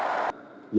tidak ada seperti itu